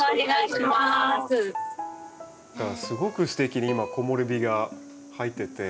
すごくすてきに今木漏れ日が入ってて。